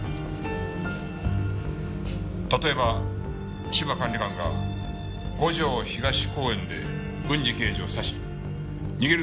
例えば芝管理官が五条東公園で郡侍刑事を刺し逃げる